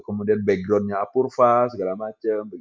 kemudian backgroundnya apurva segala macam